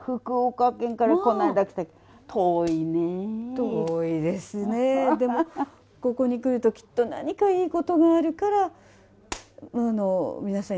遠いですねでもここに来るときっと何かいい事があるから皆さんいらっしゃるんでしょう。